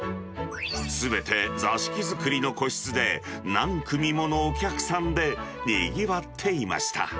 すべて座敷造りの個室で、何組ものお客さんでにぎわっていました。